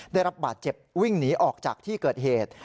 ได้รับบาดเจ็บวิ่งหนีออกจากที่เกิดเหตุ